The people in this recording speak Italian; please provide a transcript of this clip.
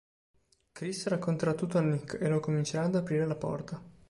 Chris racconterà tutto a Nick, e lo convincerà ad aprire la porta.